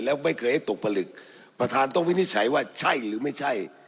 แล้วไม่เคยให้ตกผลึกประธานต้องวินิจฉัยว่าใช่หรือไม่ใช่